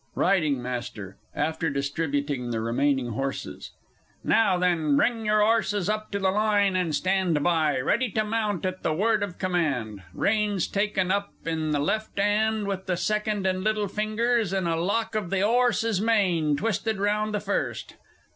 R. M. (after distributing the remaining horses). Now then bring your 'orses up into line, and stand by, ready to mount at the word of command, reins taken up in the left 'and with the second and little fingers, and a lock of the 'orse's mane twisted round the first.